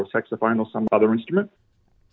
saksifon atau instrumen lain